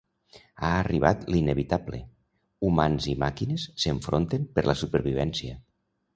Ha arribat l'inevitable: humans i màquines s'enfronten per la supervivència.